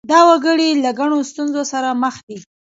دا وګړي له ګڼو ستونزو سره مخ دي.